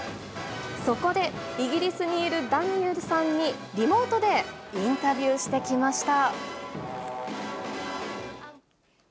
そこでイギリスにいるダニエルさんに、リモートでインタビューしてきました。